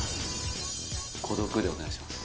「孤独」でお願いします